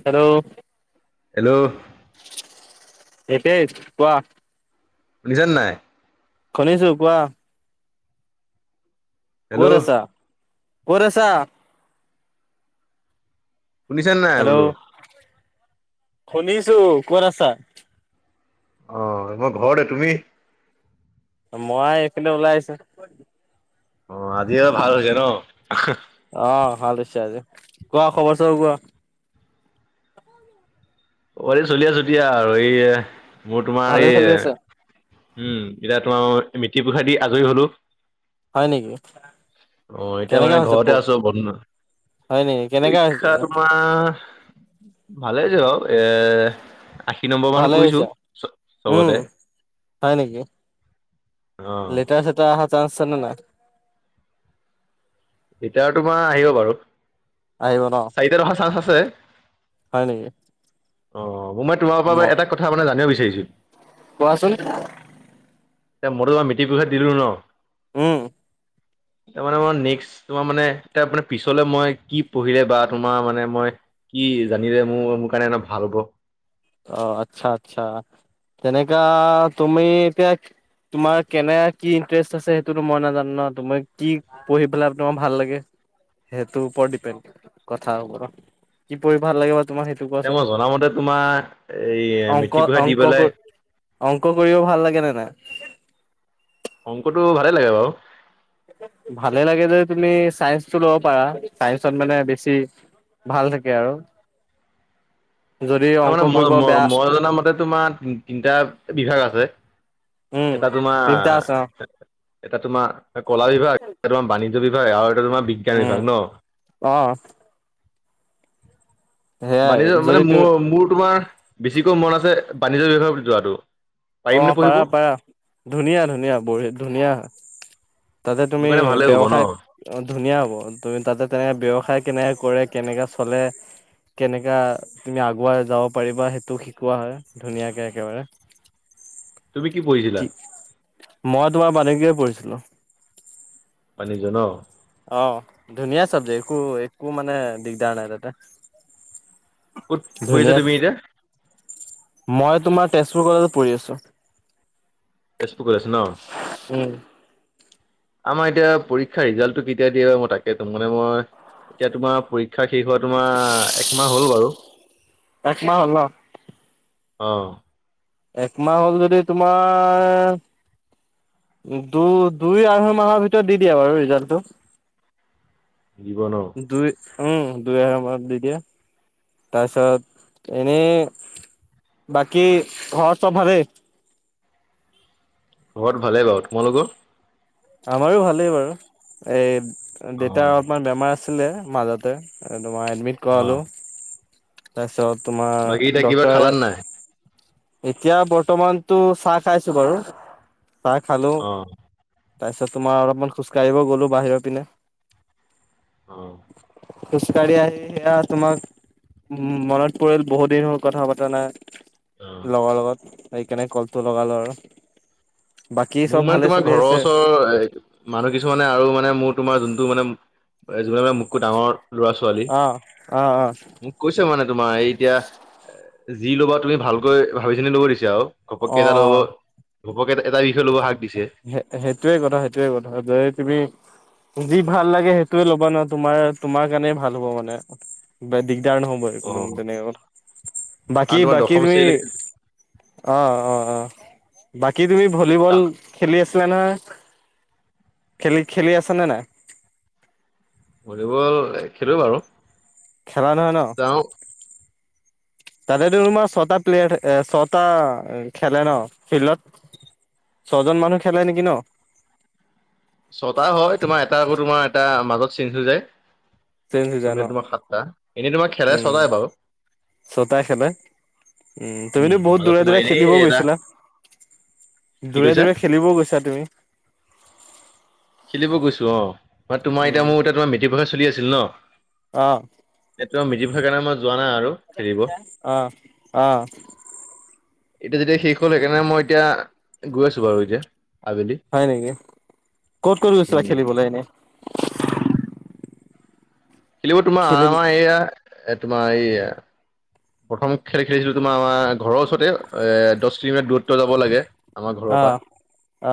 Hello. Hello. [unintelligible] কোৱা? শুনিছানে নাই? শুনিছোঁ কোৱা। ক'ত হেল্ল' আছা, ক'ত আছা? শুনিছনে নাই বোলো? শুনিছোঁ ক'ত আছা? অহ, মই ঘৰতে তুমি? মই এইপিনে ওলাই আহিছোঁ। অ', আজি আৰু ভাল হৈছে ন। অ', ভাল হৈছে আজি, কোৱা খবৰ চবৰ কোৱা? [unintelligible] চলি আছোঁ দিয়া। এয়ে, মই তোমাৰ ভালে এই চলি আছে উম, এতিয়া তোমাৰ মিতি পোসাদ দি আজৰি হ'লো। হয় নেকি। অ', এতিয়া মানে কেনেকা হৈছে প ঘৰতে আছোঁ বন্ধ। হয় নেকি কেনেকা হৈছে পৰীক্ষা তোমাৰ ভালে য হক এ, আশী নম্বৰ মান ভালে হৈছে কৰিছোঁ উম চ-চবতে। হয় নেকি। লেটাৰ চেটাৰ অহা চান্স আছেনে নাই? এতিয়া তোমাৰ আহিব বাৰু। আহিব ন চাৰিটাত অহা চান্স আছে। হয় নেকি অ', মই তোমাৰ ম পৰা এটা কথা মানে জানিব বিচাৰিছোঁ। কোৱাচোন এ, মই তোমাৰ মেট্ৰিক পৰীক্ষা দিলো ন' উম। তাৰ মানে মই নেক্স তোমাৰ মানে তাৰ মানে পিছলে মই কি পঢ়িলে বা তোমাৰ মানে মই। কি জানিলে মোৰ, মোৰ কাৰণে এ, ভাল হ'ব। অ', আচ্ছা আচ্ছা। তেনেকা তুমি এতিয়া তোমাৰ কেনে কি ইণ্টাৰেষ্ট আছে সেইটোতো মই নাজানো ন'। তুমি কি পঢ়ি পেলাই তোমাৰ ভাল লাগে। সেইটো ওপৰত ডিপেণ্ড কথা, [unintelligible] কি পঢ়ি ভাল লাগে তোমাৰ সেইটো এ, কোৱাচোন মই জনামতে তোমাৰ এ, হেৰি অংক মেট্ৰিক পৰীক্ষা দি অংক পেলাই। অংক কৰিব ভাল লাগে নে নাই অংকটো ভালে লাগে বাৰু। ভালে লাগে যে তুমি চাইন্সটো ল'ব পাৰা, চাইন্সত মানে বেছি। ভাল থাকে আৰু। [unintelligible] [unintelligible] যদি তাৰ অংক মানে মই কৰিব বেয়া ম মই জনা মতে তোমাৰ তিনিটা বিভাগ আছে। উম এটা তিনিটা আছে অ তোমাৰ এটা তোমাৰ কলা বিভাগ এ তোমাৰ বাণিজ্য বিভাগ আৰু এটা তোমাৰ বিজ্ঞান উম বিভাগ ন। অ। সেয়াই বাণিজ্য মানে যদি তুমি মোৰ মোৰ তোমাৰ বেছিকৈ মন আছে বাণিজ্য বিষয়ে যোৱাাতটো। অ', পাৰা, পাৰা, ধুনীয়া, ধুনীয়া বঢ়ীয়া ধুনীয়া। তাতে তুমি কাৰণে ভালেই হ'ব ন ব্যসায় ধুনীয়া হ'ব তুমি তাতে তেনেক ব্যৱসায় কেনেক কৰে কেনেকে চলে। কেনেকা তুমি আগুৱাই যাব পাৰিবা সেইটো শিকোৱা হয় ধুনীয়াকে একেবাৰে। তুমি কি পঢ়ছিলা। মই তোমাৰ [unintelligible] পানীজন ন। অ ধুনীয়া চাবজেক্ট একো একো মানে দিগদাৰ নাই তাতে। ক'ত পঢ়িছা ধুনীয়া তুমি এতিয়া? মই তোমাৰ তেজপুৰ কলেজত পঢ়ি আছো। [unintelligible] আমাৰ উম এতিয়া পৰীক্ষা ৰিজাল্টটো কেতিয়া দিয়ে মই তাকে ত মানে মই এতিয়া তোমাৰ শিক্ষা শেষ হোৱা তোমাৰ একমাহ হ'ল বাৰু। একমাহ হল। আহ। একমাহ হ'ল যদি তোমাৰ দুই দুই আঢ়ৈ মাহৰ ভিতৰত দি দিয়ে বাৰু ৰিজাল্টটো। দুই [unintelligible] উম দুই এাৰ ম দি দিয়ে তাৰপিছত এনেই। বাকি ঘৰ চ ভাৰে। ঘৰত ভালেই বাৰু তোমালোকৰ। আমাৰো ভালেই বাৰু এই অ দেতাৰ অলপমান বেমাৰ আছে আছিলে মাজতে তোমাৰ এডমিট অ কৰাৰো। বাকী তোমাৰ এতিয়া কিবা ডক্টৰে খালান নাই এতিয়া বৰ্তমানতো চাহ খাইছো বাৰু চাহ খালো। অ তাৰপিছত তোমাৰ অলপমান খোজকাঢ়িব গলো বাহিৰৰ পিনে। [unintelligible] খোজ কাঢ়ি আহি সেয়া তোমাক উ মনত পৰিল বহুত দিন হল কথা পতা নাই। অ লগৰ লগত সেই কেনে কলটো লগালো আৰু। বাকী চব ভালে চলি আছে। ৰৰ এ মানুহ কিছুমানে আৰু মানে মোৰ তোমাৰ যোনটো মানে এযোমান মানে মোকোতকে ডাঙৰ ল'ৰা ছোৱালী অ', অ', অ'। মোক কৈছে মানে তোমাৰ এই এতিয়া যি ল'বা তুমি ভালকৈ ভাবি চিনি লব দিছা আৰু ঘপককে অ', এটা ল'ব অ', ঘপক এটা এটা বিষয় ল'ব হাক দিছে সেইটোৱে কথা সেইটোয়ে কথা যে তুমি যি ভাল লাগে সেইটোয়ে ল'বা নোৱাৰ তোমাৰ তোমাৰ কাৰণে ভাল হ'ব মানে দি দিাৰ নহ'ব একো মানে অ', তেনে বাকী কাৰণ তোমাৰ বাকী দশম তুমি শ্ৰেণীলৈকে অ', অ', অ', বাকী তুমি ভলীবল। খ আছিলে নহয় খেলি, খেলি আছ নে নাই। ভলীবল খেলো বাৰু। খেলা নাই ন। যাওঁ [unintelligible] ততে ৰুমাৰ ছটা প্লেয়াৰ ছটা খেলে ন ফিল্ডত। ছজন মানুহ খেলে নেকি ন। ছটা হয় তোমাৰ এটা আকৌ তোমাৰ এটা মাজত চিজ হৈ যায়। চেঞ্জ হৈ যায় ন চমি তোমাক সাতটা এনেই তোমাক খেলাই চলাই বাৰু ছটা খেলে উম তুমিতো বহুত মাজত দূৰে তোমাৰ দূৰে এনেই খেলিবও এটা গৈছিলা। কি দূৰে কৈছা দূৰে খেলিবও গৈছা তুমি। খেলিব গৈছো অ বা তোমাৰ এতিয়া উম মোৰ এয়া তোমাৰ মেট্ৰিক পৰীক্ষা চলি আছিল ন, অ, এটো মেট্ৰিক পৰীক্ষা কেদিনত কাৰণে মই যোৱা নাই আৰু খেলিব। অ অ এতিয়া যেতিয়া শেষ হ'ল সেইকাৰণে মই এতিয়া গৈ আছো বাৰু এতিয়া। আবেলি হয় নেকি ক'ত ক'ত গৈছিলা উম খেলিবলে এনে, খেলিব তোমাৰ খেলিম আমাৰ এইয়া তোমাৰ এইয়া। প্ৰথম খেল খেলিছিলো তোমাৰ আমাৰ ঘৰৰ ওচৰতে এ দহ কিলোমিটাৰ দূৰত্ব যাব লাগে। আমাৰ ঘৰৰ পৰা আহ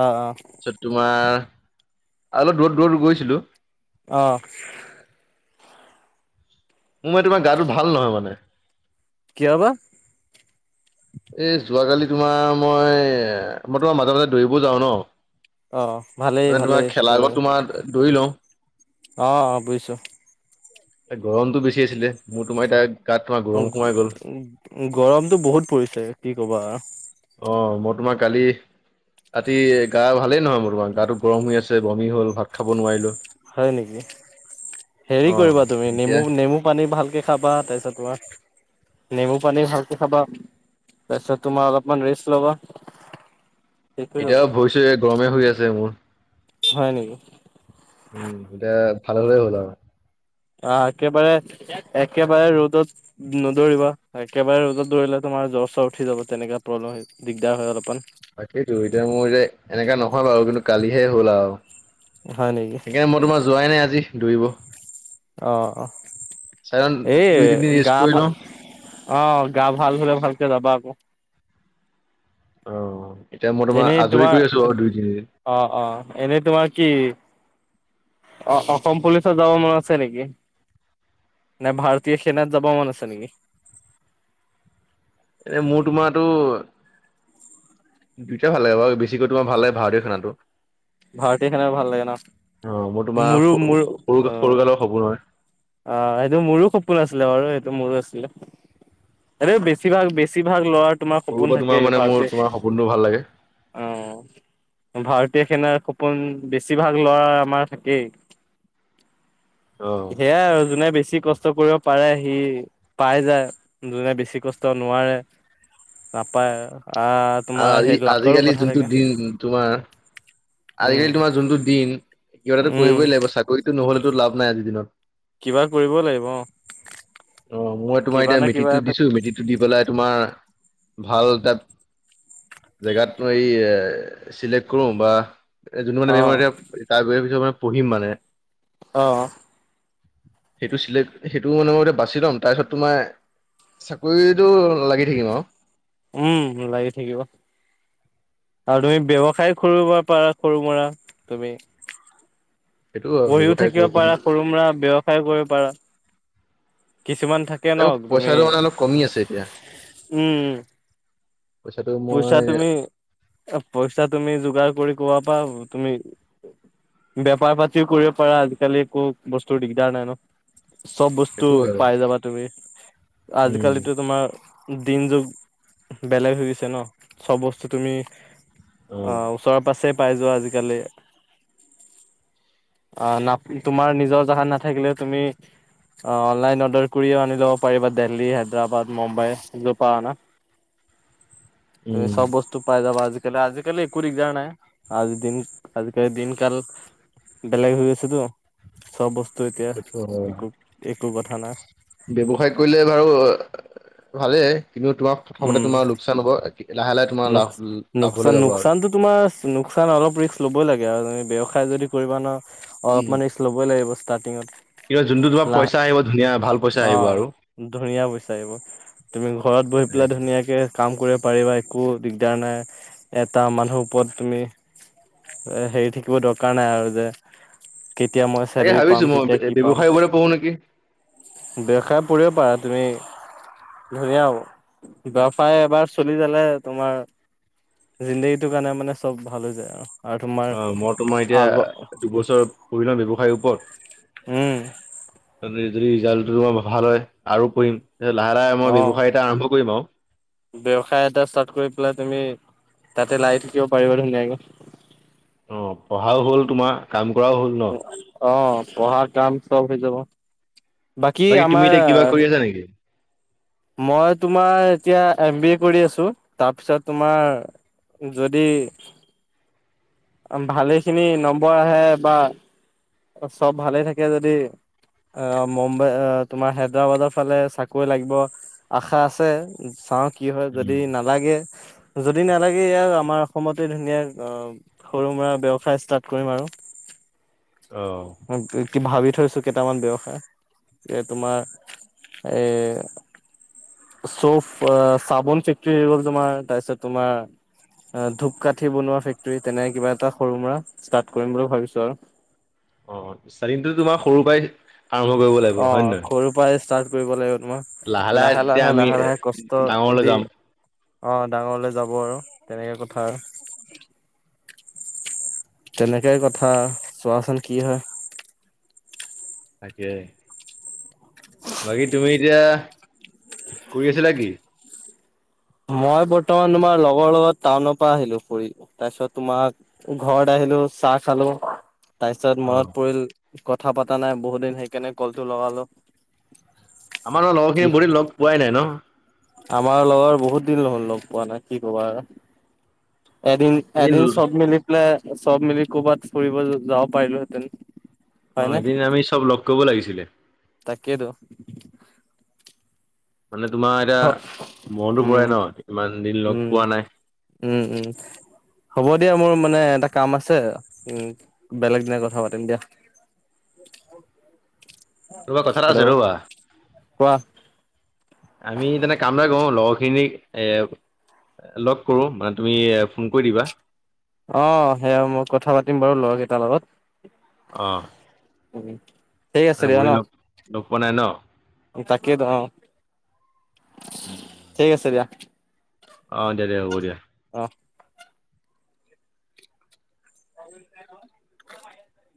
আহ আহ তোমাৰ। অলপ দূৰত দূৰত গৈছিলো। আহঁ। মোৰ মই তোমাৰ গাটো ভাল নহয় মানে। কিয় বা? এই যোৱাকালি তোমাৰ মই মই তোমাৰ মাজে মাজে দৌৰিব যাও ন। অ ভালেই মানে তোমাৰ ভালেই ত খেলাৰ আগত তোমাৰ দৌৰি লওঁ। অ অ বুজিছো। এ গৰমতটো বেছি আছিলে মোৰ তোমাৰ এতিয়া। গাত তোমাৰ গৰম সোমাই গ'ল উম, গৰমতটো বহুত পৰিছে কি কবা। তমাক কালি। ৰাতি গা ভালেই নহয় মোৰ তোমাৰ গাটো গৰম হৈ আছে বমি হল ভাত খাব নোৱাৰিলো। হয় নেকি? হেৰি অ কৰিবা তুমি নেমু এতিয়া নেমু পানী ভালকে খাবা তাৰপিছত তোমাৰ নেমু পানী ভালকে খাবা। তছ তোমাৰ অলপমান ৰেছ ল'বা। ঠিক হৈ যাব এতিয়াও ভৰিছো গৰমে হৈ আছে মোৰ। হয় নেকি? উম এতিয়া ভাল ভাল হ'ল আৰু। অঁ, একেবাৰে একেবাৰে ৰ'দত নদৌৰিবা একেবাৰে ৰ'দত দৌৰিলে তোম তোমাৰ জ্বৰ চৰ উঠ যাব তেনেকা প্ৰব্লেম হয় দিগদাৰ হয় অলপমান। তাকেইতো এতিয়া মোৰ যে এনেকা নহয় বাৰু কিন্তু কালিহে হ'ল আৰু। হয় নেকি সেইকাৰণে মই তোমাৰ যোৱাই নাই আজি। দুইব। অ', অ'। এ, দুই তিনিদিন ৰেষ্ট গা কৰি ভাল লওঁ। অ', গা ভাল হ'লে ভালকে যাবা আকৌ। অ'। এতিয়া মই এনেই আজৰি কৰি তোমাৰ আছো বাৰু দুই তিনিদিন। অ', অ', এনেই তোমাৰ কি? অ-অসম পুলিচত যাব মন আছে নেকি? নাই ভাৰতীয় সেনাত যাব মন আছে নিকি? এই মোৰ তোমাৰতো দুইটাই ভাল লাগে বাৰু, বেছিকৈ তোমাৰ ভাল লাগে ভাৰতীয় সেনাটো। ভাৰতীয় সেনা ভাল লাগে ন? অ', মোৰ তোমাৰ মোৰো মোৰ অ স-সৰু-সৰু কালৰ সপোন হয়। অ', সেইটো মোৰো সপোন আছিলে বাৰু সেইটো মোৰো আছিলে। এইটো বেছিভাগ, বেছিভাগ ল'ৰাৰ তোমাৰ সৰুৰ সপোন পৰা তোমাৰ থাকেই মানে মোৰ ভাৰতীয় তোমাৰ সপোনটো ভাল লাগে। অ', ভাৰত সেনাৰ সপোন বেছিভাগ ল'ৰা আমাৰ থাকেই। অ', সেয়াই আৰু যোনে বেছ বেছি কষ্ট কৰিব পাৰে সি পাই যায়, যোনে বেছি কষ্ট নোৱাৰে নাপায়। আহ আ, তোমাৰ আজি, সেই লাকৰো আজিকালি কথা যোনটো থাকে দিন তোমাৰ উম আজিকালি তোমাৰ যোনটো দিন, কিবা এটাতো উম কৰিবই লাগিব চাকৰিতো নহ'লেতো লাভ নাই আজি দিনত। কিবা কৰিব লাগিব অ'। অ', মই তোমাৰ কিবা এতিয়া না কিবা মেট্ৰিকটো এটা দিছোঁ মেট্ৰিকটো দি পেলাই তোমাৰ ভাল এটা জেগাত মই এ চিলেক্ট কৰো বা এ যোনটো মানে অ [unintelligible] মই এতিয়া তাত বহি পিছত মানে পঢ়িম মানে। অ', সেইটো চিলেক্ট সেইটো মানে মই এতিয়া বাচি লম তাৰপিছত তোমাৰ চাকৰিটো লাগি থাকিম আৰু। উম, লাগি থাকিব। আৰু তুমি ব্যৱসায় খুলিব পাৰা সৰু মৰা তুমি। সেইটো আৰু বহিও ব্যৱসায় কৰিব থাকিব পাৰো। পাৰা সৰু মুৰা ব্যৱসায় কৰিব পাৰা। কিছুমান থাকে এই ন' তুমি পইচাটো মানে অলপ কমি আছে এতিয়া উম, পইচাটো পইচা মই তুমি এ পইচা তুমি যোগাৰ কৰি কোৱা পা তুমি বেপাৰ পাতিও কৰিব পাৰা আজিকালি একো বস্তুৰ দিগদাৰ নাই ন'। চব বস্তু সেইটো হয় পাই যাবা তুমি উম। আজিকালিতো তোমাৰ দিন যুগ বেলেগ হৈ গৈছে ন' চব বস্তু তুমি অ, ওচৰে পাছে পাই যোৱা আজিকালি। [inaudible] অ, নাপ তোমাৰ নিজৰ জাগাত নাথাকিলে তুমি অ, অনলাইন অৰ্ডাৰ কৰিও আনিও লব পাৰিবা দেল্হী, হায়দৰাবাদ, মুম্বাই, জৰপা আনা। [inaudible] এ চব বস্তু পাই যাবা আজি কেলে আজিকালি একো দিগদাৰ নাই আজি দিন আজিকালি দিনকাল বেলেগ হৈ গৈছেতো চব বস্তু এতিয়া সেইটো হয়। একো- একো কথা নাই। ব্যৱসায় কৰিলে বাৰু ভালেই কিন্তু তোমাৰ প্ৰথমতে উম তোমাৰ লোকচান হ'ব [unintelligible] লাভ নোক- লাভলৈ নোকচান যাব আৰু। -নোকচানতো তোমাৰ নোকচান অলপ ৰিক্স ল'বই লাগে আৰু [unintelligible] ব্যৱসায় যদি কৰিবা ন উম, অলপমান ৰিক্স ল'বই লাগিব ষ্টাৰ্টিঙত। কিন্তু যোনটো তোমাৰ লাহ পইচা আহিব ধুনীয়া ভাল পইচা আহিব অ' আৰু। ধুনীয়া বিচাৰিব তুমি ঘৰত বহি এ, পেলাই ধুনীয়াকে কাম কৰিব পাৰিবা একো দিগদাৰ নাই, এটা মানুহৰ ওপৰত তুমি এ [unintelligible] দৰকাৰ নাই আৰু যে কেতিয়া মই তাকে চেলেৰি পাম ভাবিছো মই কেতিয়া কি পাম। ব্যৱসায়ৰ ওপৰতে পঢ়ো নেকি। [unintelligible] কৰিব পাৰা তুমি ধুনীয়া হব। [unintelligible] এবাৰ চলি যালে তোমাৰ জিন্দাগীটোৰ কাৰণে মানে চব ভাল হৈ যায় আৰু। তোমাৰ অ' মই তোমাৰ আগৰ এতিয়া দুবছৰ পঢ়ি লওঁ ব্যৱসায়ৰ ওপৰত। উম। যদি যদি ৰিজাল্টটো তোমাৰ ভাল হয় আৰু পঢ়িম লাহে লাহে মই অ', ব্যৱসায় এটা আৰম্ভ কৰিম আও। ব্যৱসায় এটা ষ্টাৰ্ট কৰি পেলাই তুমি তাতে লাগি থাকিব পাৰিবা ধুনীয়াকে। অ' পঢ়াও হ'ল তোমাৰ। কাম কৰাও হ'ল ন অ' পঢ়া কাম চব হৈ যাব। বাকী তুমি আমাৰ, এতিয়া কিবা কৰি আছা নেকি? মই তোমাৰ এতিয়া এম বি এ কৰি আছো, তাৰপিছত তোমাৰ যদি ভালেখিনি নম্বৰ আহে। বা চব ভালে থাকে যদি আহ মুম্বাই তোমাৰ হায়দৰাবাদৰ ফালে চাকৰি লাগিব আশা আছে। চাওঁ, কি হয়, যদি উম, নালাগে। যদি নালাগে ইয়াত আমাৰ অসমতে ধুনীয়া সৰু মৰা ব্যৱসায় ষ্টাৰ্ট কৰিম আৰু। [inaudible] অ', কি ভাবি থৈছো কেইটামান ব্যয়ৱসায় যে তোমাৰ এ চব চাবোন ফেক্টৰী হৈ গ'ল তোমাৰ তাৰপিছত তোমাৰ ধূপকাঠি বনোৱা ফেক্টৰী তেনে কিবা এটা সৰু মৰা ষ্টাৰ্ট কৰিম বুলি ভাবিছো আৰু অ চাৰিনটো তোমাৰ সৰুৰ পৰাই আৰম্ভ কৰিব লাগিব অ হয় নে নহয় সৰুৰ পৰাই ষ্টাৰ্ট কৰিব লাগিব তোমাৰ লাহে লাহে লাহে লাহে কষ্ট ডাঙৰলৈ দি যাম। অ ডাঙৰলে যাব আৰু তেনেকে কথা আৰু তেনেকেই কথা চোৱাচোন কি হয় তাকে বাকী তুমি এতিয়া কৰি আছিলা কি মই বৰ্তমান তুমাৰ লগৰ লগত টাউনৰ পৰা আহিলো ফু তাৰপিছত তোমাৰ ঘৰত আহ খলো চাহ খালো তাৰ পিছত অ'। মনত পৰিল কথা পতা নাই বহুত দিন সেইকাৰণে কলটো লগালো আমাৰ ন লগৰ কি খিনি বহি লগ পোৱাই নাই ন আমাৰ লগৰ বহুত দিন হ'ল লগ পোৱা নাই কি কবা এদিন এদিন চব মিলি পেলাই চব মিলি ক'ৰবাত ফুৰিব যাব পাৰিলোহেঁতেন অ এদিন আমি চব লগ কৰিব লাগিছিলে তাকেটো মানে তোমাৰ এতিয়া মনতো পই উম ন ইমান দিন লগ উম পোৱা নাই উম উম হ'ব দিয়া মোৰ মানে এটা কাম আছে উ বেলেগ দিনা কথা পাতিম দিয়া [unintelligible] তা কথা এটা আছে হেল্ল' ৰবা কোৱা আমি তেনেে কামৰে কৰো লগ খিনি এ লগ কৰো মানে তুমি ফোন কৰি দিবা অ সেইয়া মই কথা পাতিম বাৰু লৰা কেইটাৰ লগত আহঁ উ ঠিক আছে দিয়া ন লগ পোৱা নাই ন। তাকেইতো অ ঠিক আছে দিয়া অ দে দে হ'ব দিয়া অ [unintelligible]